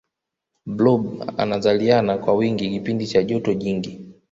blob anazaliana kwa wingi kipindi cha joto jingi